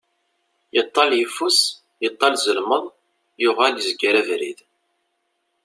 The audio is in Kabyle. Yeṭall yeffes, yeṭall zelmeḍ, yuɣal izger abrid.